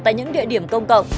tại những địa điểm công cộng